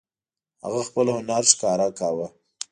هغه خپل هنر ښکاره کاوه.